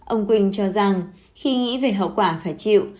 ông quỳnh cho rằng khi nghĩ về hậu quả phải chịu